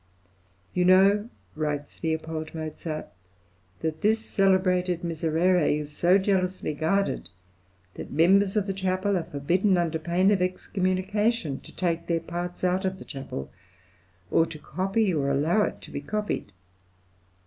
"You know," writes L. Mozart, "that this celebrated Miserere is so jealously guarded, that members of the chapel are forbidden, under pain of excommunication, to take their parts out of the chapel, or to copy or allow it to be copied.